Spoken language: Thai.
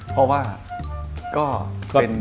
เพราะว่าก็เป็น